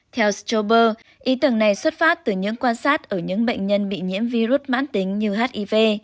theo stralber ý tưởng này xuất phát từ những quan sát ở những bệnh nhân bị nhiễm virus mãn tính như hiv